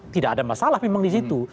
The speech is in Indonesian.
tidak ada masalah memang disitu